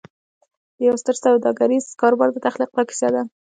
د یوه ستر سوداګریز کاروبار د تخلیق دا کیسه ده